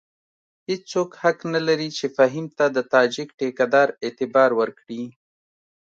هېڅوک حق نه لري چې فهیم ته د تاجک ټیکه دار اعتبار ورکړي.